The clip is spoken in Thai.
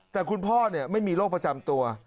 แต่คุณพ่อไม่มีโรคประจำตัว